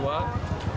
ini adalah pelaku